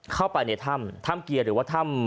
เข้าไปในถ้ำถ้ำเกียร์หรือว่าถ้ำ